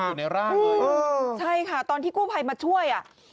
อยู่ในร่างเลยเออใช่ค่ะตอนที่กู้ภัยมาช่วยอ่ะ